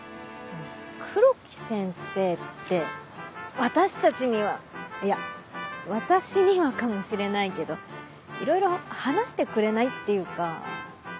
黒木先生って私たちにはいや私にはかもしれないけどいろいろ話してくれないっていうか。